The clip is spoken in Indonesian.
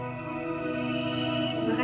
terima kasih pak